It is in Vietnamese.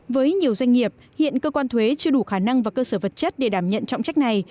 với nhiều doanh nghiệp hiện cơ quan thuế chưa đủ khả năng và cơ sở vật chất để đảm nhận trọng trách này